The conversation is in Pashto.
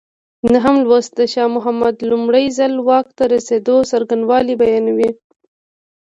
نهم لوست د شاه محمود لومړی ځل واک ته رسېدو څرنګوالی بیانوي.